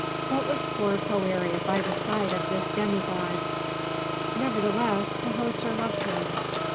What was poor Poëri by the side of this demigod? Nevertheless, Tahoser loved him.